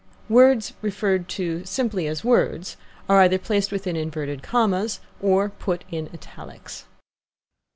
Words referred to simply as words are either placed within inverted commas or put in italics.